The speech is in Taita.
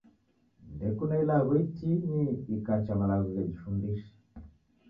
Ndekune ilagho itini ikacha malagho ghejifundisha.